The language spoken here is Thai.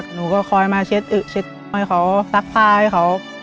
หนูก็คอยมาเช็ดอึเช็ดให้เขาซักผ้าให้เขา